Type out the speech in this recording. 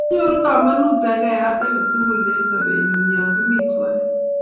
Nyoru kamanut takikayat ake tugul eng' sobennyu ye ki mi twai.